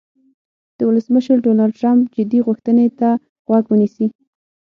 او د ولسمشر ډونالډ ټرمپ "جدي غوښتنې" ته غوږ ونیسي.